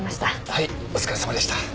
はいお疲れさまでした。